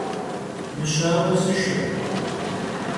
Mışaue sışşe!